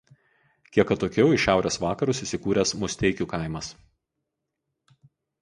Kiek atokiau į šiaurės vakarus įsikūręs Musteikių kaimas.